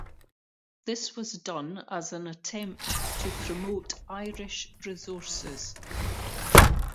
This was done as an attempt to promote Irish resources.